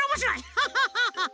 ハハハハッ！